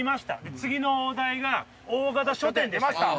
次のお題が「大型書店」でした。